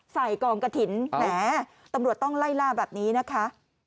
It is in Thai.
กองกระถิ่นแหมตำรวจต้องไล่ล่าแบบนี้นะคะ